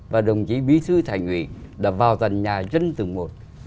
và đồng chí bí thư thành nguyễn đã vào thành nhà dân từng một